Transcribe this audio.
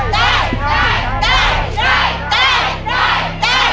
ได้